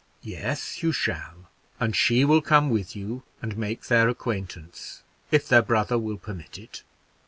"Yes, you shall, and she will come with you and make their acquaintance, if their brother will permit it.